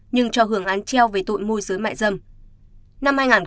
nhưng cho hưởng án treo về tội môi giới mại dâm